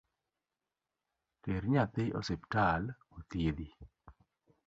Ter nyathi osiptal othiedhi